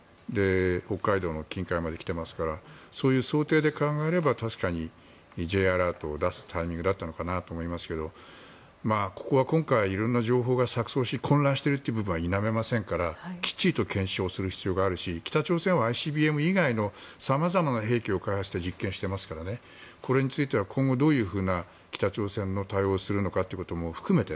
北海道の近海まで来ていますからそういう想定で考えれば確かにＪアラートを出すタイミングだったのかなと思いますがここは今回色んな情報が錯そうし混乱しているという部分は否めませんからきっちりと検証する必要があるし北朝鮮はＩＣＢＭ以外の様々な兵器を開発して実験していますからこれについては今後どういうふうな北朝鮮への対応をするのかを含めて